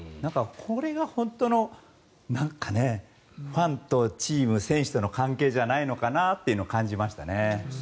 これが本当のファンとチーム、選手との関係じゃないのかなというのを感じましたね。